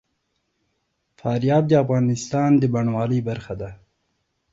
فاریاب د افغانستان د بڼوالۍ برخه ده.